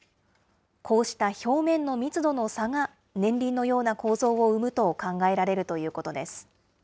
こうした表面の密度の差が年輪のような構造を生むと考えられるということです。